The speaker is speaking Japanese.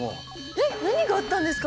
えっ何があったんですか？